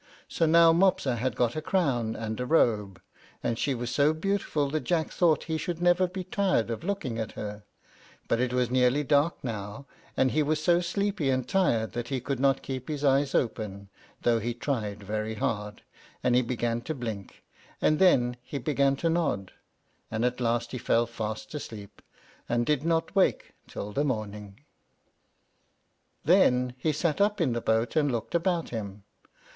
So now Mopsa had got a crown and a robe, and she was so beautiful that Jack thought he should never be tired of looking at her; but it was nearly dark now, and he was so sleepy and tired that he could not keep his eyes open, though he tried very hard, and he began to blink, and then he began to nod, and at last he fell fast asleep, and did not awake till the morning. Then he sat up in the boat, and looked about him.